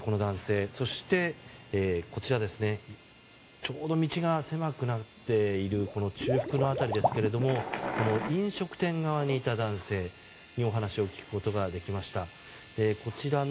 この男性、そしてちょうど道が狭くなっている中腹の辺りですが飲食店側にいた男性にお話を聞くことができました。